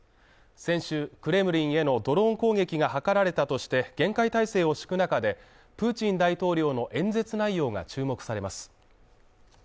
先週クレムリンへのドローン攻撃が図られたとして、厳戒態勢を敷く中でプーチン大統領の演説内容が注目されます。